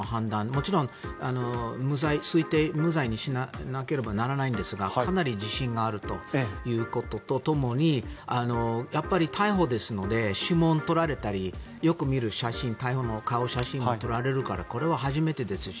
もちろん推定無罪にしなければならないんですがかなり自信があるということとともにやっぱり逮捕ですので指紋を取られたりよく見る写真逮捕の顔写真も撮られるからこれは初めてですし。